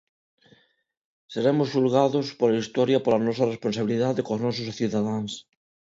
Seremos xulgados pola historia pola nosa responsabilidade cos nosos cidadáns.